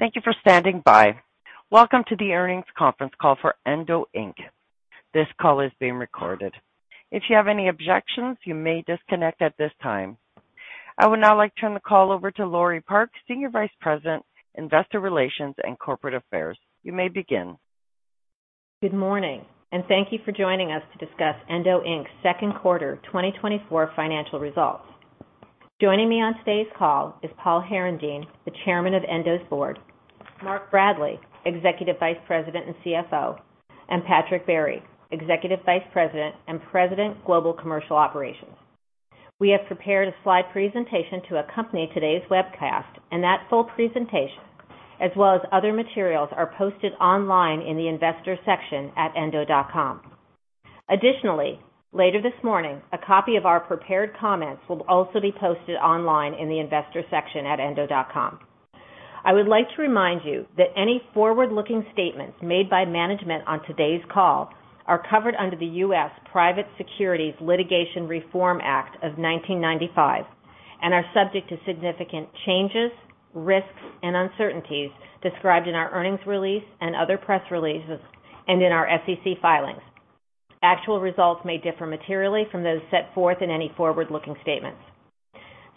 Thank you for standing by. Welcome to the Earnings Conference Call for Endo Inc. This call is being recorded. If you have any objections, you may disconnect at this time. I would now like to turn the call over to Laure Park, Senior Vice President, Investor Relations and Corporate Affairs. You may begin. Good morning, and thank you for joining us to discuss Endo Inc's Second Quarter 2024 financial results. Joining me on today's call is Paul Herendeen, the chairman of Endo's board, Mark Bradley, Executive Vice President and CFO, and Patrick Barry, Executive Vice President and President, Global Commercial Operations. We have prepared a slide presentation to accompany today's webcast, and that full presentation, as well as other materials, are posted online in the Investors section at endo.com. Additionally, later this morning, a copy of our prepared comments will also be posted online in the Investors section at endo.com. I would like to remind you that any forward-looking statements made by management on today's call are covered under the U.S. Private Securities Litigation Reform Act of 1995, and are subject to significant changes, risks, and uncertainties described in our earnings release and other press releases, and in our SEC filings. Actual results may differ materially from those set forth in any forward-looking statements.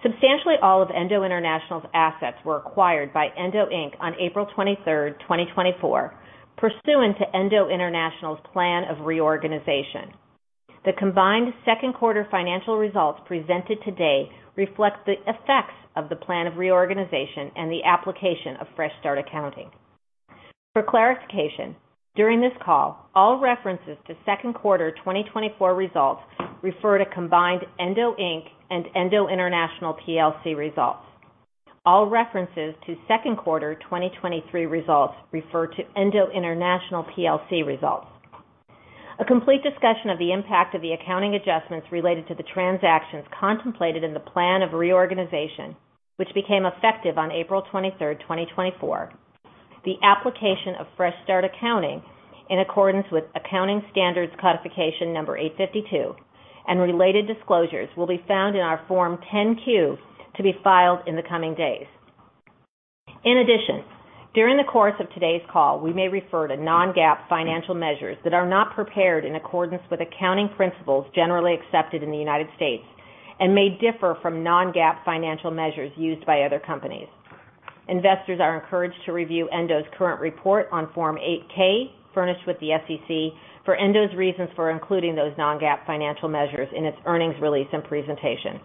Substantially, all of Endo International's assets were acquired by Endo Inc. on April Twenty-Third, Twenty Twenty-four, pursuant to Endo International's plan of reorganization. The combined second quarter financial results presented today reflect the effects of the plan of reorganization and the application of fresh start accounting. For clarification, during this call, all references to Second Quarter Twenty Twenty-four results refer to combined Endo Inc. and Endo International PLC results. All references to second quarter twenty twenty-three results refer to Endo International PLC results. A complete discussion of the impact of the accounting adjustments related to the transactions contemplated in the plan of reorganization, which became effective on April twenty-third, twenty twenty-four. The application of fresh start accounting, in accordance with Accounting Standards Codification number 852, and related disclosures, will be found in our Form 10-Q to be filed in the coming days. In addition, during the course of today's call, we may refer to non-GAAP financial measures that are not prepared in accordance with accounting principles generally accepted in the United States and may differ from non-GAAP financial measures used by other companies. Investors are encouraged to review Endo's current report on Form 8-K, furnished with the SEC, for Endo's reasons for including those non-GAAP financial measures in its earnings release and presentation.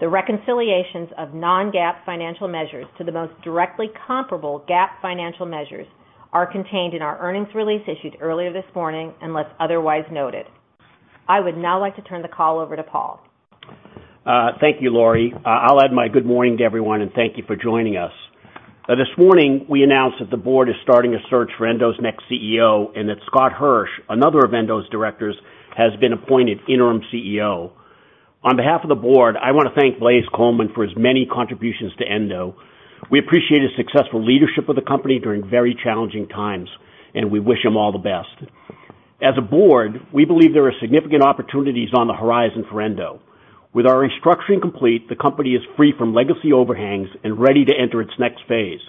The reconciliations of non-GAAP financial measures to the most directly comparable GAAP financial measures are contained in our earnings release issued earlier this morning, unless otherwise noted. I would now like to turn the call over to Paul. Thank you, Laurie. I'll add my good morning to everyone, and thank you for joining us. This morning, we announced that the board is starting a search for Endo's next CEO, and that Scott Hirsch, another of Endo's directors, has been appointed interim CEO. On behalf of the board, I want to thank Blaise Coleman for his many contributions to Endo. We appreciate his successful leadership of the company during very challenging times, and we wish him all the best. As a board, we believe there are significant opportunities on the horizon for Endo. With our restructuring complete, the company is free from legacy overhangs and ready to enter its next phase.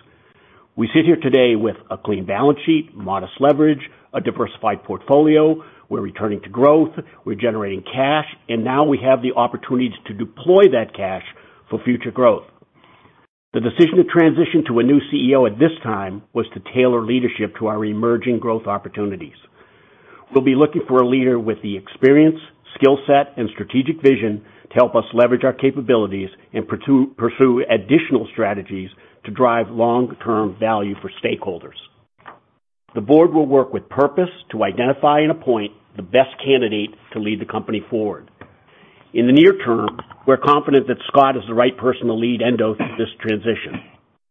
We sit here today with a clean balance sheet, modest leverage, a diversified portfolio. We're returning to growth, we're generating cash, and now we have the opportunity to deploy that cash for future growth. The decision to transition to a new CEO at this time was to tailor leadership to our emerging growth opportunities. We'll be looking for a leader with the experience, skill set, and strategic vision to help us leverage our capabilities and pursue additional strategies to drive long-term value for stakeholders. The board will work with purpose to identify and appoint the best candidate to lead the company forward. In the near term, we're confident that Scott is the right person to lead Endo through this transition.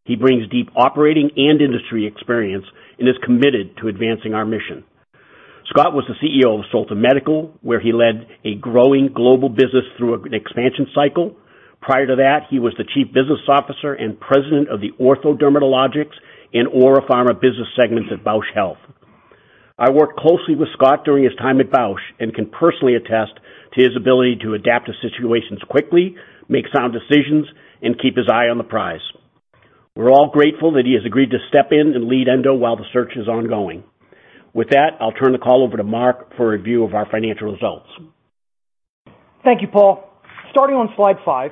He brings deep operating and industry experience and is committed to advancing our mission. Scott was the CEO of Solta Medical, where he led a growing global business through an expansion cycle. Prior to that, he was the Chief Business Officer and President of the Ortho Dermatologics and OraPharma business segments at Bausch Health. I worked closely with Scott during his time at Bausch and can personally attest to his ability to adapt to situations quickly, make sound decisions, and keep his eye on the prize. We're all grateful that he has agreed to step in and lead Endo while the search is ongoing. With that, I'll turn the call over to Mark for a review of our financial results. Thank you, Paul. Starting on slide five,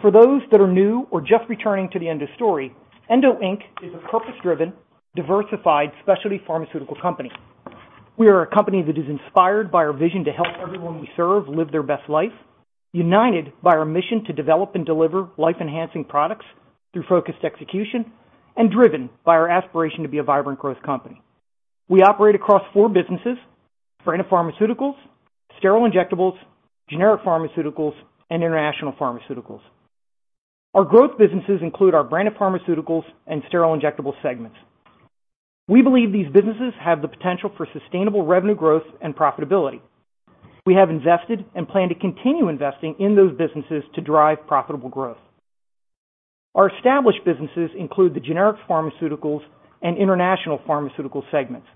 for those that are new or just returning to the Endo story, Endo Inc. is a purpose-driven, diversified, specialty pharmaceutical company. We are a company that is inspired by our vision to help everyone we serve live their best life, united by our mission to develop and deliver life-enhancing products through focused execution, and driven by our aspiration to be a vibrant growth company. We operate across four businesses: branded pharmaceuticals, sterile injectables, generic pharmaceuticals, and international pharmaceuticals. Our growth businesses include our branded pharmaceuticals and sterile injectable segments. We believe these businesses have the potential for sustainable revenue growth and profitability. We have invested and plan to continue investing in those businesses to drive profitable growth. Our established businesses include the generic pharmaceuticals and international pharmaceutical segments....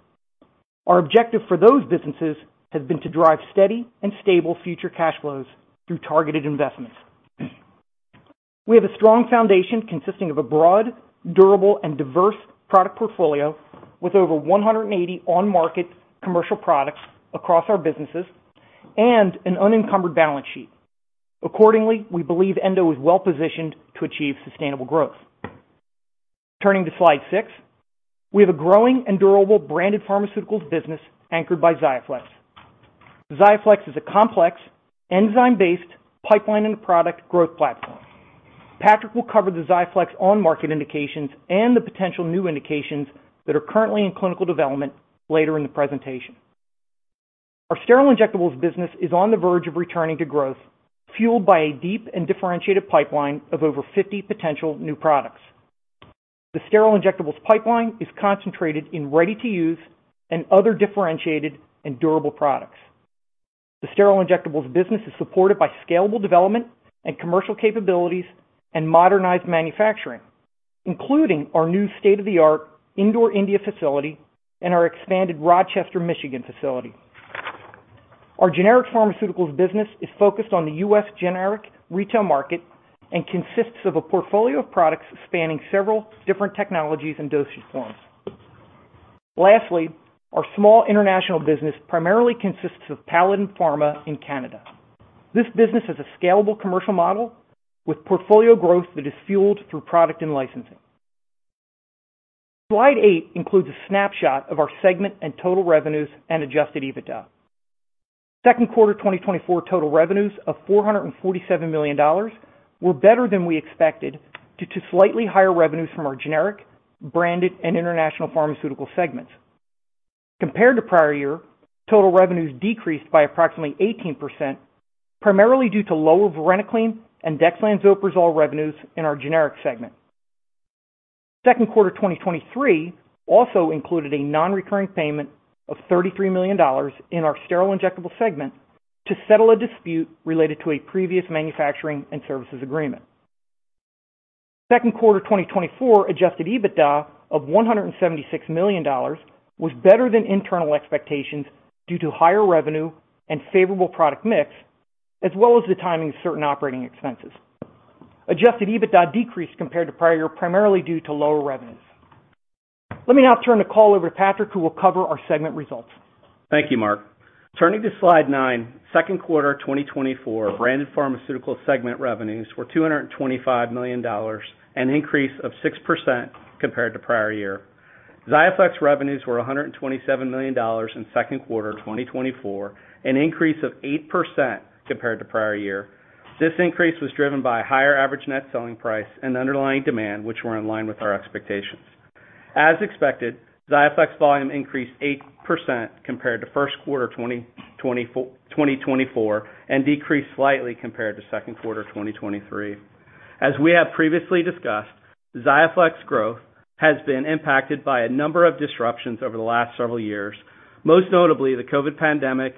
Our objective for those businesses has been to drive steady and stable future cash flows through targeted investments. We have a strong foundation consisting of a broad, durable and diverse product portfolio, with over 180 on-market commercial products across our businesses and an unencumbered balance sheet. Accordingly, we believe Endo is well positioned to achieve sustainable growth. Turning to slide six. We have a growing and durable branded pharmaceuticals business anchored by XIAFLEX. XIAFLEX is a complex, enzyme-based pipeline and product growth platform. Patrick will cover the XIAFLEX on-market indications and the potential new indications that are currently in clinical development later in the presentation. Our sterile injectables business is on the verge of returning to growth, fueled by a deep and differentiated pipeline of over 50 potential new products. The sterile injectables pipeline is concentrated in ready-to-use and other differentiated and durable products. The sterile injectables business is supported by scalable development and commercial capabilities and modernized manufacturing, including our new state-of-the-art Indore, India, facility and our expanded Rochester, Michigan, facility. Our generic pharmaceuticals business is focused on the U.S. generic retail market and consists of a portfolio of products spanning several different technologies and dosage forms. Lastly, our small international business primarily consists of Paladin Labs in Canada. This business has a scalable commercial model with portfolio growth that is fueled through product and licensing. Slide eight includes a snapshot of our segment and total revenues and adjusted EBITDA. Second quarter 2024, total revenues of $447 million were better than we expected, due to slightly higher revenues from our generic, branded, and international pharmaceutical segments. Compared to prior year, total revenues decreased by approximately 18%, primarily due to lower varenicline and dexlansoprazole revenues in our generic segment. Second quarter 2023 also included a non-recurring payment of $33 million in our sterile injectable segment to settle a dispute related to a previous manufacturing and services agreement. Second quarter 2024 adjusted EBITDA of $176 million was better than internal expectations due to higher revenue and favorable product mix, as well as the timing of certain operating expenses. Adjusted EBITDA decreased compared to prior year, primarily due to lower revenues. Let me now turn the call over to Patrick, who will cover our segment results. Thank you, Mark. Turning to slide nine. Second Quarter 2024, branded pharmaceutical segment revenues were $225 million, an increase of 6% compared to prior year. XIAFLEX revenues were $127 million in second quarter 2024, an increase of 8% compared to prior year. This increase was driven by higher average net selling price and underlying demand, which were in line with our expectations. As expected, XIAFLEX volume increased 8% compared to first quarter 2024, and decreased slightly compared to second quarter 2023. As we have previously discussed, XIAFLEX growth has been impacted by a number of disruptions over the last several years, most notably the COVID pandemic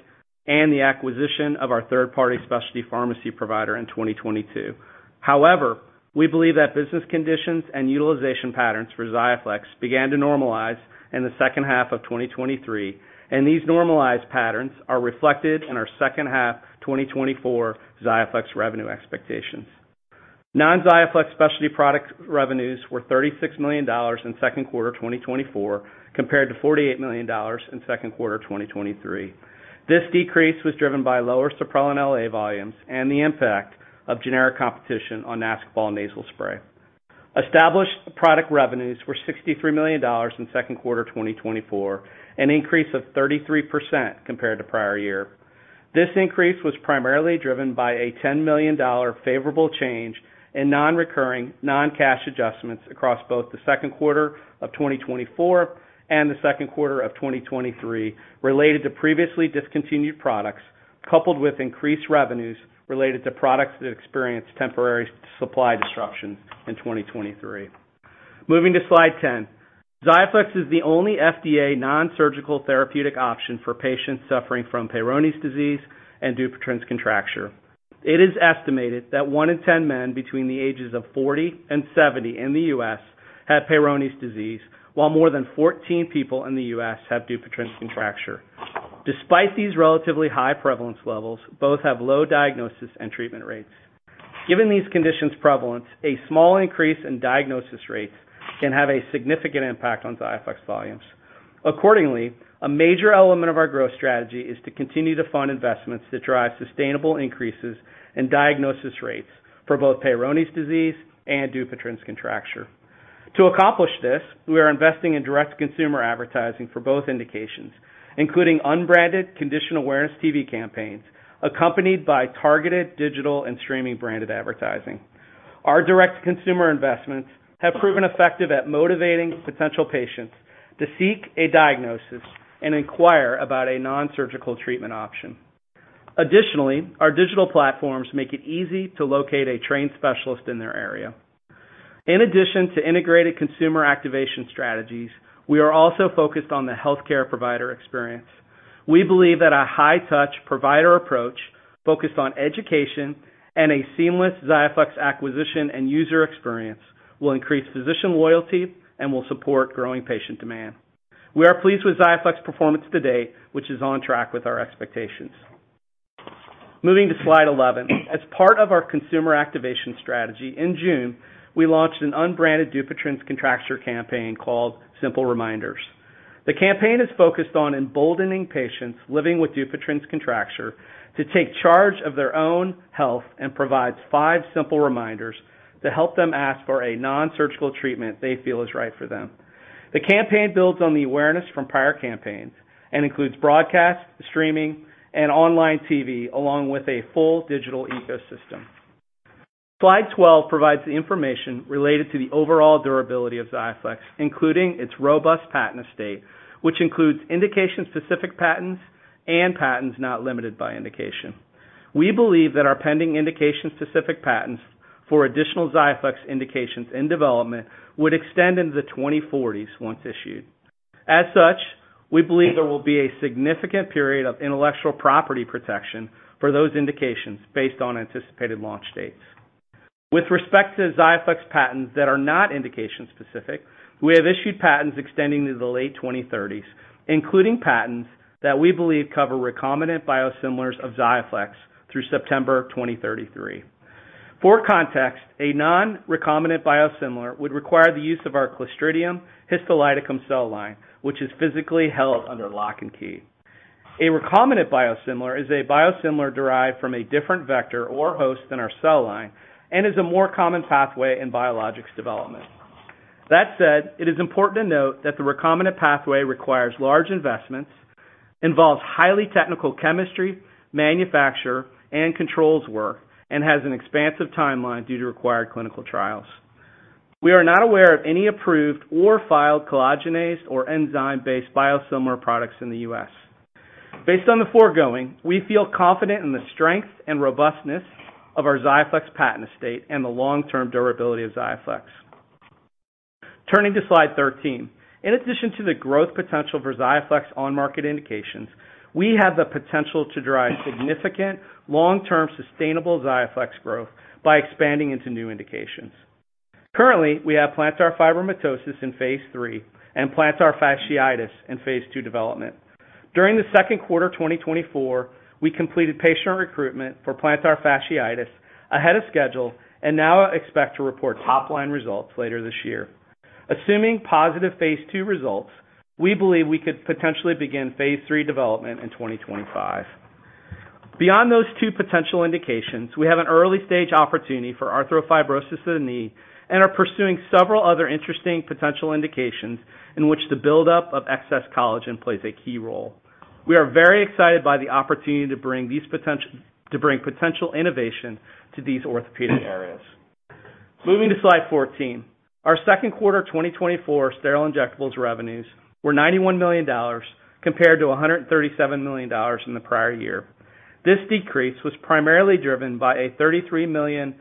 and the acquisition of our third-party specialty pharmacy provider in 2022. However, we believe that business conditions and utilization patterns for XIAFLEX began to normalize in the second half of 2023, and these normalized patterns are reflected in our second half 2024 XIAFLEX revenue expectations. Non-XIAFLEX specialty product revenues were $36 million in second quarter 2024, compared to $48 million in second quarter 2023. This decrease was driven by lower Supprelin LA volumes and the impact of generic competition on Nasacort nasal spray. Established product revenues were $63 million in second quarter 2024, an increase of 33% compared to prior year. This increase was primarily driven by a $10 million favorable change in non-recurring, non-cash adjustments across both the second quarter of 2024 and the second quarter of 2023, related to previously discontinued products, coupled with increased revenues related to products that experienced temporary supply disruptions in 2023. Moving to Slide 10. XIAFLEX is the only FDA non-surgical therapeutic option for patients suffering from Peyronie's disease and Dupuytren's contracture. It is estimated that one in ten men between the ages of forty and seventy in the U.S. have Peyronie's disease, while more than fourteen people in the U.S. have Dupuytren's contracture. Despite these relatively high prevalence levels, both have low diagnosis and treatment rates. Given these conditions prevalence, a small increase in diagnosis rates can have a significant impact on XIAFLEX volumes. Accordingly, a major element of our growth strategy is to continue to fund investments that drive sustainable increases in diagnosis rates for both Peyronie's disease and Dupuytren's contracture. To accomplish this, we are investing in direct-to-consumer advertising for both indications, including unbranded condition awareness TV campaigns, accompanied by targeted digital and streaming branded advertising. Our direct-to-consumer investments have proven effective at motivating potential patients to seek a diagnosis and inquire about a non-surgical treatment option. Additionally, our digital platforms make it easy to locate a trained specialist in their area. In addition to integrated consumer activation strategies, we are also focused on the healthcare provider experience. We believe that a high-touch provider approach focused on education and a seamless XIAFLEX acquisition and user experience will increase physician loyalty and will support growing patient demand. We are pleased with XIAFLEX performance today, which is on track with our expectations. Moving to slide 11. As part of our consumer activation strategy, in June, we launched an unbranded Dupuytren's contracture campaign called Simple Reminders. The campaign is focused on emboldening patients living with Dupuytren's contracture to take charge of their own health, and provides five simple reminders to help them ask for a nonsurgical treatment they feel is right for them. The campaign builds on the awareness from prior campaigns and includes broadcast, streaming, and online TV, along with a full digital ecosystem. Slide 12 provides the information related to the overall durability of XIAFLEX, including its robust patent estate, which includes indication-specific patents and patents not limited by indication. We believe that our pending indication-specific patents for additional XIAFLEX indications in development would extend into the 2040s once issued. As such, we believe there will be a significant period of intellectual property protection for those indications based on anticipated launch dates. With respect to XIAFLEX patents that are not indication-specific, we have issued patents extending to the late twenty thirties, including patents that we believe cover recombinant biosimilars of XIAFLEX through September twenty thirty-three. For context, a non-recombinant biosimilar would require the use of our Clostridium histolyticum cell line, which is physically held under lock and key. A recombinant biosimilar is a biosimilar derived from a different vector or host than our cell line and is a more common pathway in biologics development. That said, it is important to note that the recombinant pathway requires large investments, involves highly technical chemistry, manufacture, and controls work, and has an expansive timeline due to required clinical trials. We are not aware of any approved or filed collagenase or enzyme-based biosimilar products in the U.S. Based on the foregoing, we feel confident in the strength and robustness of our XIAFLEX patent estate and the long-term durability of XIAFLEX. Turning to slide thirteen. In addition to the growth potential for XIAFLEX on-market indications, we have the potential to drive significant, long-term, sustainable XIAFLEX growth by expanding into new indications. Currently, we have plantar fibromatosis in phase III and plantar fasciitis in phase II development. During the second quarter 2024, we completed patient recruitment for plantar fasciitis ahead of schedule and now expect to report top-line results later this year. Assuming positive phase II results, we believe we could potentially begin phase III development in twenty twenty-five. Beyond those two potential indications, we have an early-stage opportunity for arthrofibrosis of the knee and are pursuing several other interesting potential indications in which the buildup of excess collagen plays a key role. We are very excited by the opportunity to bring these potential innovation to these orthopedic areas. Moving to slide 14. Our second quarter twenty twenty-four sterile injectables revenues were $91 million, compared to $137 million in the prior year. This decrease was primarily driven by a $33 million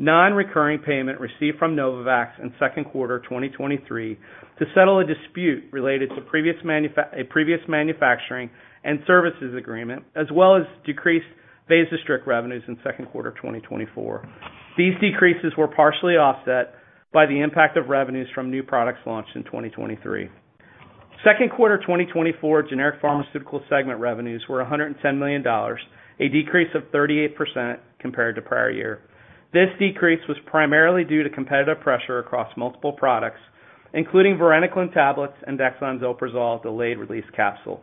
non-recurring payment received from Novavax in second quarter twenty twenty-three to settle a dispute related to a previous manufacturing and services agreement, as well as decreased Vasostrict revenues in second quarter twenty twenty-four. These decreases were partially offset by the impact of revenues from new products launched in twenty twenty-three. Second quarter twenty twenty-four generic pharmaceutical segment revenues were $110 million, a decrease of 38% compared to prior year. This decrease was primarily due to competitive pressure across multiple products, including varenicline tablets and dexlansoprazole delayed-release capsules.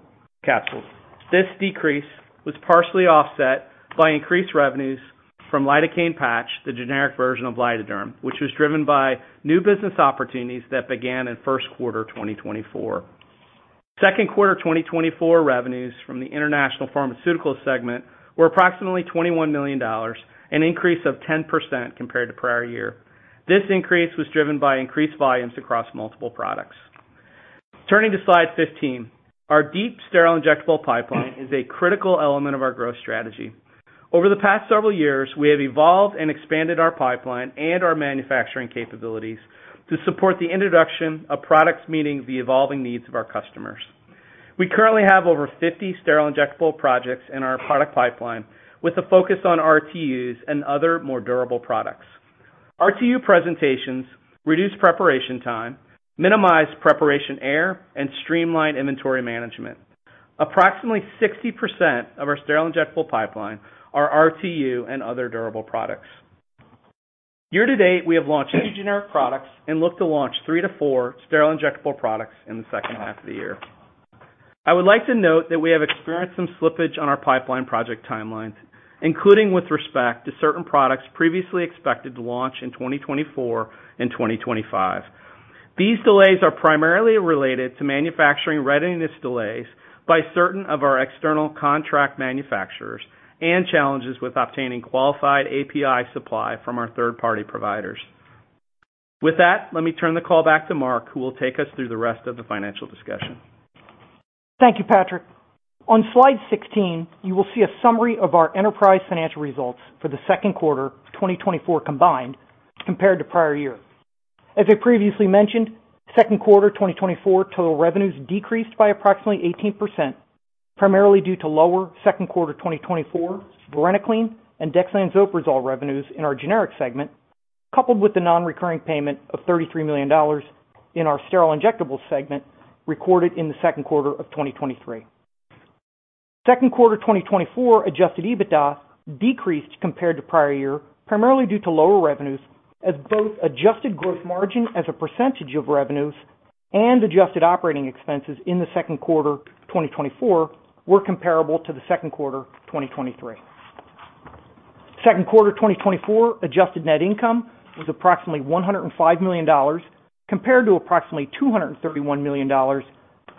This decrease was partially offset by increased revenues from lidocaine patch, the generic version of Lidoderm, which was driven by new business opportunities that began in first quarter 2024. Second quarter 2024 revenues from the international pharmaceutical segment were approximately $21 million, an increase of 10% compared to prior year. This increase was driven by increased volumes across multiple products. Turning to slide 15. Our deep sterile injectable pipeline is a critical element of our growth strategy. Over the past several years, we have evolved and expanded our pipeline and our manufacturing capabilities to support the introduction of products meeting the evolving needs of our customers. We currently have over fifty sterile injectable projects in our product pipeline, with a focus on RTUs and other more durable products. RTU presentations reduce preparation time, minimize preparation error, and streamline inventory management. Approximately 60% of our sterile injectable pipeline are RTU and other durable products. Year to date, we have launched two generic products and look to launch three to four sterile injectable products in the second half of the year. I would like to note that we have experienced some slippage on our pipeline project timelines, including with respect to certain products previously expected to launch in 2024 and 2025. These delays are primarily related to manufacturing readiness delays by certain of our external contract manufacturers and challenges with obtaining qualified API supply from our third-party providers. With that, let me turn the call back to Mark, who will take us through the rest of the financial discussion. Thank you, Patrick. On slide 16, you will see a summary of our enterprise financial results for the second quarter of 2024 combined compared to prior year. As I previously mentioned, second quarter 2024 total revenues decreased by approximately 18%, primarily due to lower second quarter 2024 varenicline and dexlansoprazole revenues in our generic segment, coupled with the non-recurring payment of $33 million in our sterile injectables segment, recorded in the second quarter of 2023. Second quarter 2024 adjusted EBITDA decreased compared to prior year, primarily due to lower revenues, as both adjusted growth margin as a percentage of revenues and adjusted operating expenses in the second quarter 2024 were comparable to the second quarter 2023. Second quarter 2024 adjusted net income was approximately $105 million, compared to approximately $231 million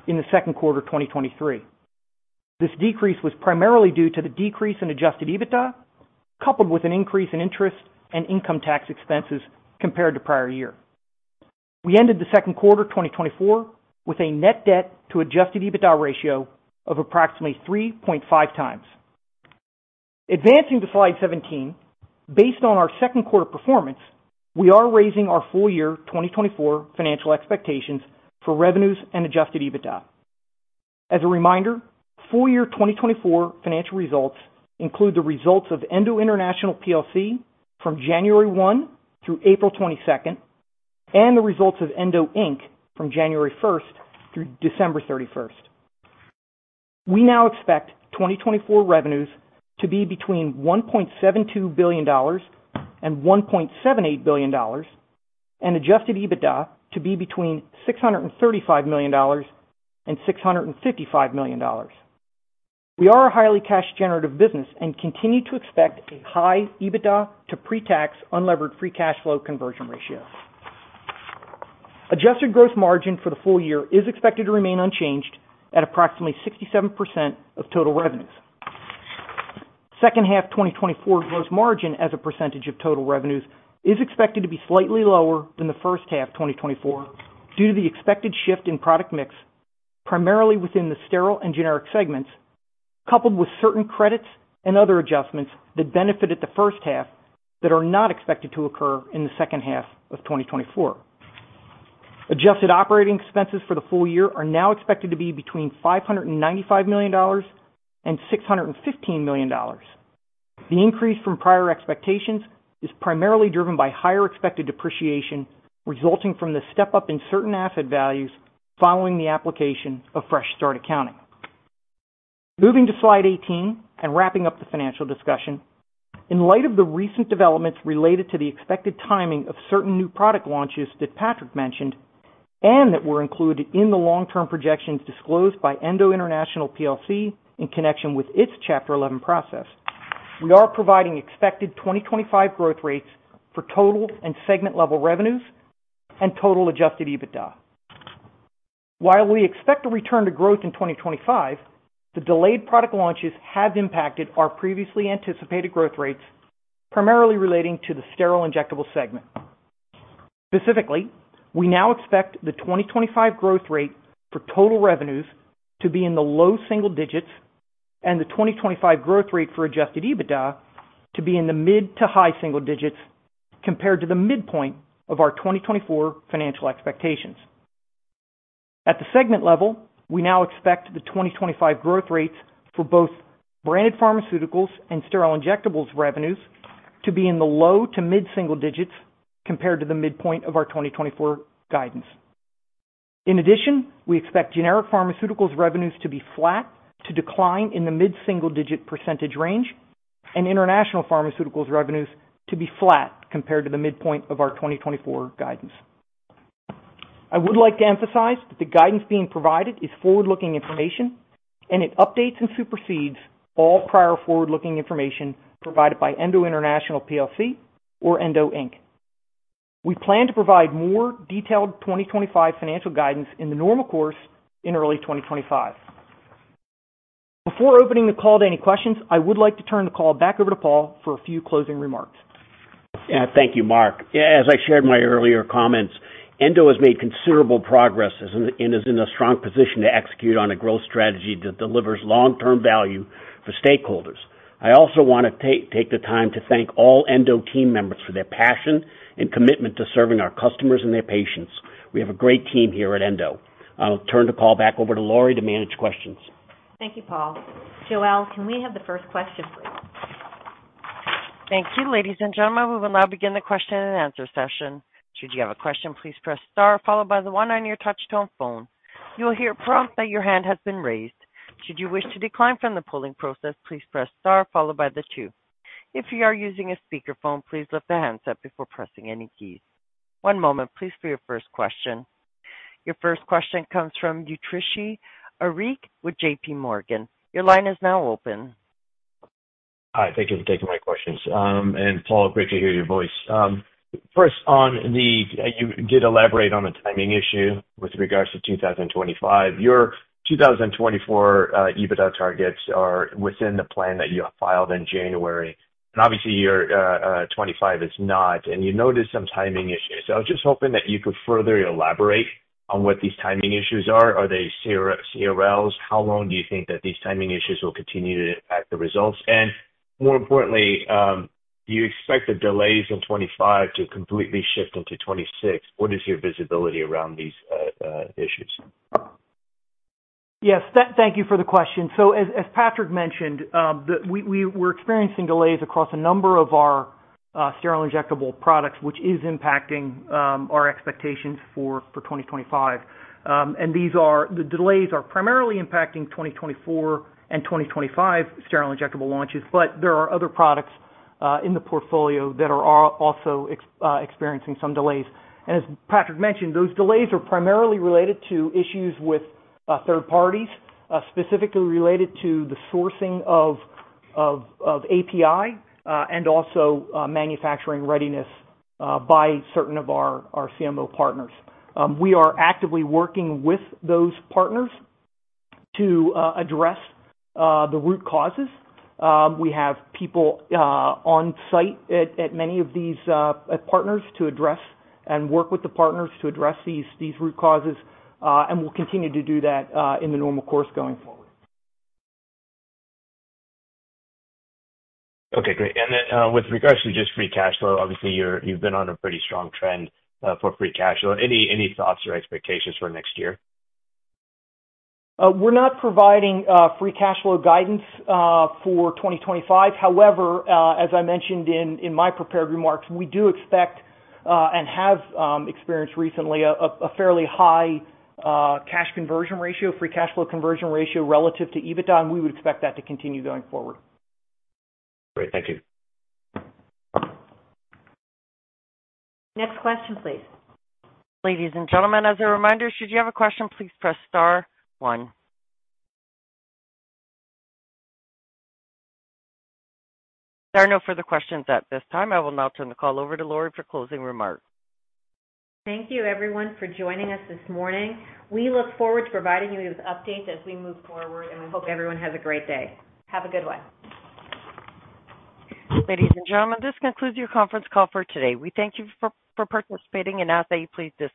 in the second quarter 2023. This decrease was primarily due to the decrease in adjusted EBITDA, coupled with an increase in interest and income tax expenses compared to prior year. We ended the second quarter 2024 with a net debt to adjusted EBITDA ratio of approximately 3.5 times. Advancing to slide 17. Based on our second quarter performance, we are raising our full year 2024 financial expectations for revenues and adjusted EBITDA. As a reminder, full year 2024 financial results include the results of Endo International PLC from January 1 through April 22, and the results of Endo Inc. from January 1 through December 31. We now expect 2024 revenues to be between $1.72 billion and $1.78 billion, and adjusted EBITDA to be between $635 million and $655 million. We are a highly cash generative business and continue to expect a high EBITDA to pre-tax unlevered free cash flow conversion ratio. Adjusted gross margin for the full year is expected to remain unchanged at approximately 67% of total revenues. Second half 2024 gross margin as a percentage of total revenues is expected to be slightly lower than the first half 2024 due to the expected shift in product mix, primarily within the sterile and generic segments, coupled with certain credits and other adjustments that benefited the first half that are not expected to occur in the second half of 2024. Adjusted operating expenses for the full year are now expected to be between $595 million and $615 million. The increase from prior expectations is primarily driven by higher expected depreciation, resulting from the step up in certain asset values following the application of fresh start accounting. Moving to slide 18 and wrapping up the financial discussion. In light of the recent developments related to the expected timing of certain new product launches that Patrick mentioned, and that were included in the long-term projections disclosed by Endo International plc in connection with its Chapter 11 process, we are providing expected 2025 growth rates for total and segment-level revenues and total adjusted EBITDA. While we expect a return to growth in 2025, the delayed product launches have impacted our previously anticipated growth rates, primarily relating to the sterile injectable segment. Specifically, we now expect the 2025 growth rate for total revenues to be in the low single digits, and the 2025 growth rate for adjusted EBITDA to be in the mid to high single digits compared to the midpoint of our 2024 financial expectations. At the segment level, we now expect the 2025 growth rates for both branded pharmaceuticals and sterile injectables revenues to be in the low to mid single digits compared to the midpoint of our 2024 guidance. In addition, we expect generic pharmaceuticals revenues to be flat to decline in the mid single-digit % range, and international pharmaceuticals revenues to be flat compared to the midpoint of our 2024 guidance. I would like to emphasize that the guidance being provided is forward-looking information, and it updates and supersedes all prior forward-looking information provided by Endo International plc or Endo Inc. We plan to provide more detailed 2025 financial guidance in the normal course in early 2025. Before opening the call to any questions, I would like to turn the call back over to Paul for a few closing remarks. Yeah, thank you, Mark. As I shared my earlier comments, Endo has made considerable progress and is in a strong position to execute on a growth strategy that delivers long-term value for stakeholders. I also want to take the time to thank all Endo team members for their passion and commitment to serving our customers and their patients. We have a great team here at Endo. I'll turn the call back over to Laurie to manage questions. Thank you, Paul. Joelle, can we have the first question, please? Thank you, ladies and gentlemen. We will now begin the question and answer session. Should you have a question, please press star followed by the one on your touchtone phone. You will hear a prompt that your hand has been raised. Should you wish to decline from the polling process, please press star followed by the two. If you are using a speakerphone, please lift the handset before pressing any keys. One moment, please, for your first question. Your first question comes from Utricii Arique with J.P. Morgan. Your line is now open. Hi, thank you for taking my questions, and Paul, great to hear your voice. First, you did elaborate on the timing issue with regards to 2025. Your 2024 EBITDA targets are within the plan that you filed in January, and obviously, your 2025 is not, and you noticed some timing issues, so I was just hoping that you could further elaborate on what these timing issues are. Are they CRLs? How long do you think that these timing issues will continue to impact the results? And- ...More importantly, do you expect the delays in 2025 to completely shift into 2026? What is your visibility around these issues? Yes, thank you for the question, so as Patrick mentioned, we're experiencing delays across a number of our sterile injectable products, which is impacting our expectations for 2025, and these delays are primarily impacting 2024 and 2025 sterile injectable launches, but there are other products in the portfolio that are also experiencing some delays, and as Patrick mentioned, those delays are primarily related to issues with third parties, specifically related to the sourcing of API and also manufacturing readiness by certain of our CMO partners. We are actively working with those partners to address the root causes. We have people on site at many of these partners to address and work with the partners to address these root causes, and we'll continue to do that in the normal course going forward. Okay, great. And then, with regards to just free cash flow, obviously, you've been on a pretty strong trend for free cash flow. Any thoughts or expectations for next year? We're not providing free cash flow guidance for 2025. However, as I mentioned in my prepared remarks, we do expect and have experienced recently a fairly high cash conversion ratio, free cash flow conversion ratio relative to EBITDA, and we would expect that to continue going forward. Great. Thank you. Next question, please. Ladies and gentlemen, as a reminder, should you have a question, please press star one. There are no further questions at this time. I will now turn the call over to Laurie for closing remarks. Thank you, everyone, for joining us this morning. We look forward to providing you with updates as we move forward, and we hope everyone has a great day. Have a good one. Ladies and gentlemen, this concludes your conference call for today. We thank you for participating and ask that you please disconnect.